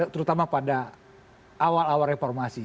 terutama pada awal awal reformasi